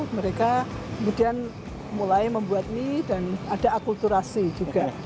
mereka kemudian mulai membuat mie dan ada akulturasi juga